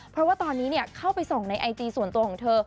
เพราะว่าตอนนี้เข้าไปส่องในไอจีส่วนตัวของเธอ